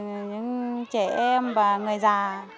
đồ nặng và những trẻ em và người già